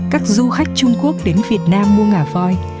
các du khách trung quốc đến việt nam mua ngà voi